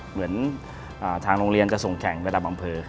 เหมือนทางโรงเรียนจะส่งแข่งระดับอำเภอ